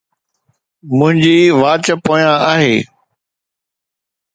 منهنجي واچ پويان آهي